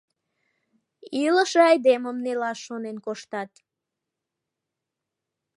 Илыше айдемым нелаш шонен коштат.